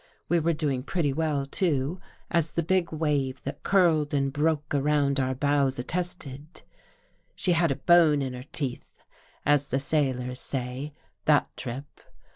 We were doing pretty well, too, as the big wave that curled and broke 275 THE GHOST GIRL around our bows attested. '' She had a bone in her teeth," as the sailors say, that trip.